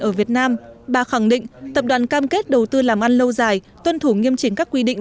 ở việt nam bà khẳng định tập đoàn cam kết đầu tư làm ăn lâu dài tuân thủ nghiêm chỉnh các quy định